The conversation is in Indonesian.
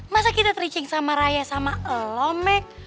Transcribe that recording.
masa kita teri ceng sama raya sama elomek